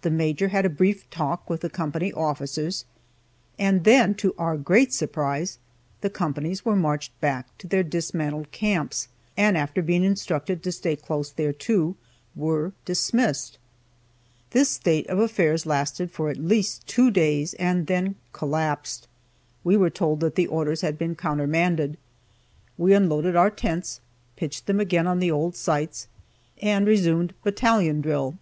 The Major had a brief talk with the company officers, and then, to our great surprise, the companies were marched back to their dismantled camps, and after being instructed to stay close thereto, were dismissed. This state of affairs lasted for at least two days, and then collapsed. We were told that the orders had been countermanded; we unloaded our tents, pitched them again on the old sites, and resumed battalion drill.